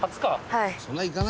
はい。